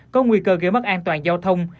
có nguy cơ gây mất an toàn giao thông